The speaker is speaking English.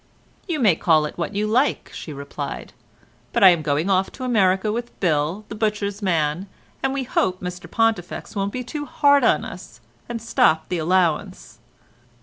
"You may call it what you like," she replied, "but I am going off to America with Bill the butcher's man, and we hope Mr Pontifex won't be too hard on us and stop the allowance."